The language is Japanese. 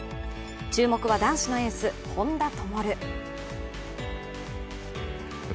注目は男子のエース本多灯。